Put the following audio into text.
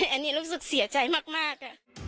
อันนี้รู้สึกเสียใจมาก